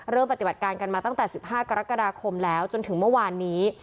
ปฏิบัติการกันมาตั้งแต่๑๕กรกฎาคมแล้วจนถึงเมื่อวานนี้